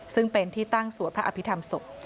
ซึ่งเป็นที่ตั้งสวดพระอภิษฐรรมศพ